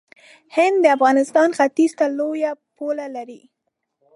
هند د افغانستان ختیځ ته لوی پوله لري.